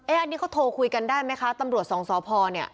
อันนี้เขาโทรคุยกันได้ไหมคะตำรวจสองสพเนี่ย